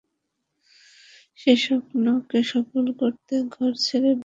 সেই স্বপ্নকে সফল করতে ঘর ছেড়ে বেরিয়ে পড়ে দেব।